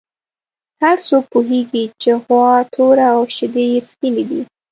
هر څوک پوهېږي چې غوا توره او شیدې یې سپینې دي.